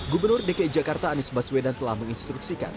gubernur dki jakarta anies baswedan telah menginstruksikan